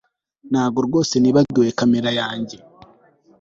Ntabwo rwose nibagiwe kamera yanjye